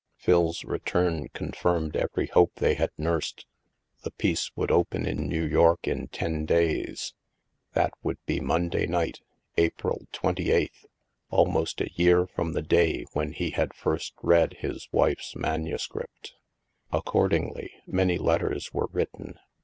Phil's return confirmed every hope they had nursed. The piece would open in New York in ten days; that would be Monday night, April twenty eighth — almost a year from the day when he had first read his wife's manuscript. Accordingly, many letters were written.